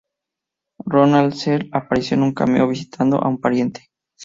Ronald Searle apareció en un cameo visitando a un pariente.